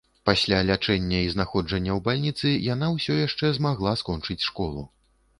Пасля лячэння і знаходжання ў бальніцы яна ўсё яшчэ змагла скончыць школу.